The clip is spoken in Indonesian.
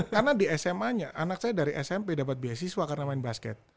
karena di sma nya anak saya dari smp dapat beasiswa karena main basket